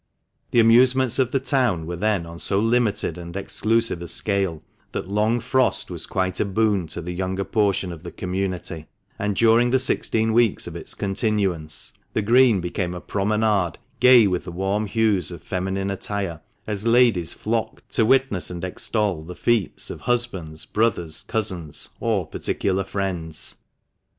The amusements of the town were then on so limited and exclusive a scale that long frost was quite a boon to the younger portion of the community ; and during the sixteen weeks of its continuance, the Green became a promenade gay with the warm hues of feminine attire, as ladies flocked to witness and extol the feats of husbands, brothers, cousins, or particular friends.